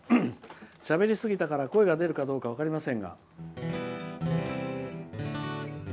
しゃべりすぎたから声が出るか分かりませんが。